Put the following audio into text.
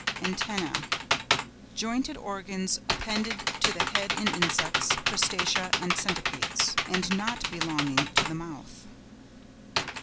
ANTENNÆ.—Jointed organs appended to the head in Insects, Crustacea and Centipedes, and not belonging to the mouth.